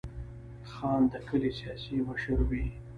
خان د کلي سیاسي مشر وي.